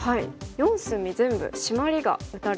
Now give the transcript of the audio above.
４隅全部シマリが打たれてますね。